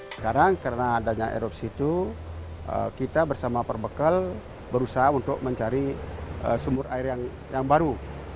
sekarang karena adanya erupsi itu kita bersama perbekal berusaha untuk mencari sumur air yang baru